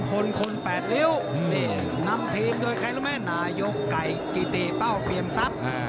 คนคนแปดริ้วนี่นำทีมโดยใครรู้ไหมนายกไก่กิติเป้าเปรียมทรัพย์